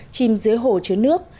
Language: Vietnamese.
chìm dưới hồ chứa nước